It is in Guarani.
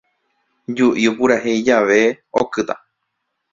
Ju'i opurahéi jave, okýta